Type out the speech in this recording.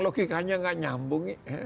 logikanya enggak nyambung